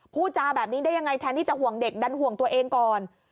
พูดจาแบบนี้ได้ยังไงแทนที่จะห่วงเด็กดันห่วงตัวเองก่อน